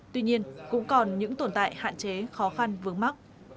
tuy nhiên cũng còn những tồn tại hạn chế khó khăn vướng mắt